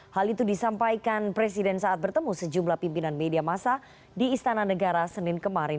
hal itu disampaikan presiden saat bertemu sejumlah pimpinan media masa di istana negara senin kemarin